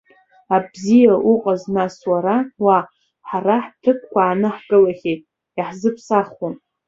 Абзиа, уҟаз, нас, уара уа, ҳара ҳҭыԥқәа аанаҳкылахьеит, иаҳзыԥсахуам.